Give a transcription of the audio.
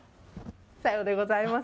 さようでございます。